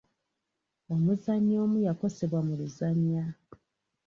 Omuzannyi omu yakosebwa mu luzannya.